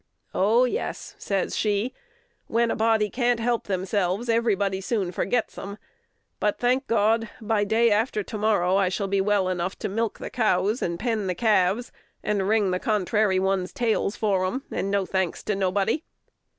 "Oh, yes!" says she, "when a body can't help themselves, everybody soon forgets'em; but, thank God! by day after to morrow I shall be well enough to milk the cows, and pen the calves, and wring the contrary ones' tails for'em, and no thanks to nobody."